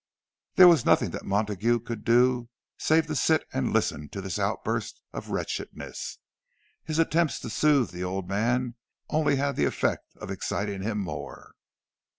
There was nothing that Montague could do save to sit and listen to this outburst of wretchedness. His attempts to soothe the old man only had the effect of exciting him more.